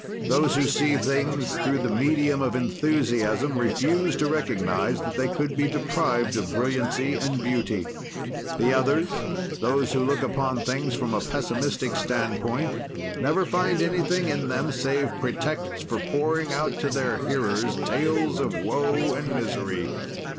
Those, who see things through the medium of enthusiasm refuse to recognize that they could be deprived of brilliancy and beauty. The others, those who look upon things from a pessimistic standpoint, never find anything in them save pretexts for pouring out to their hearers tales of woe and misery.